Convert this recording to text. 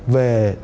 về dự án